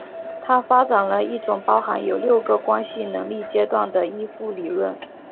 他发展了一种包含有六个关系能力阶段的依附理论。